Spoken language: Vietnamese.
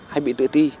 hay bị tự ti